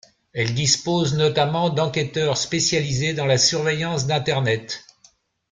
Elle dispose notamment d'enquêteurs spécialisés dans la surveillance d'Internet.